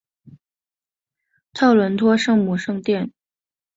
特伦托圣母圣殿。